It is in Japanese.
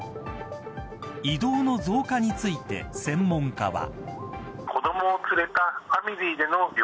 移動の増加について専門家は。